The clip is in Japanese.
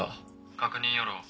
確認よろ。